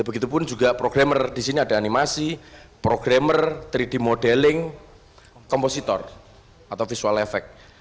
begitupun juga programmer di sini ada animasi programmer tiga d modeling kompositor atau visual effect